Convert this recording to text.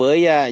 còn đối với